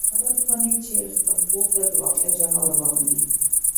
هغه وتوانېد چې خپل خوب ته د واقعیت جامه ور واغوندي